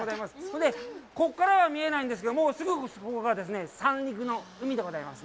ここからは見えないんですけど、すぐそこが三陸の海でございます。